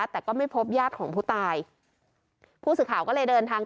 แต่ก็ไม่พบญาติของผู้ตายผู้สื่อข่าวก็เลยเดินทาง